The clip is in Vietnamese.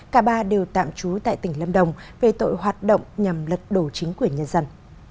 cả ba đều tạm trú tại tỉnh lâm đồng về tội hoạt động nhằm lật đổ chính quyền nhân dân